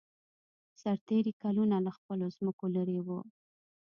سرتېري کلونه له خپلو ځمکو لېرې وو